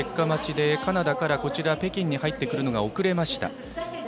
待ちでカナダからこちら、北京に入ってくるのが遅れました。